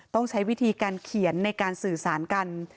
ต้องใช้วิธีการเขียนในการสื่อสารกัน